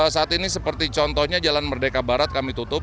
saat ini seperti contohnya jalan merdeka barat kami tutup